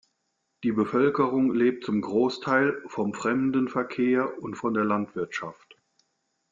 Die Bevölkerung lebt zum Großteil vom Fremdenverkehr und von der Landwirtschaft.